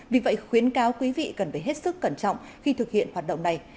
vì vậy khuyến cáo quý vị cần phải hết sức cẩn trọng khi thực hiện hoạt động này